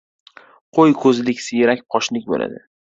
Qo‘y ko‘zlik, siyrak qoshlik bo‘ladi.